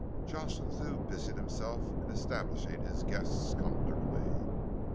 Jocelyn Thew busied himself in establishing his guests comfortably.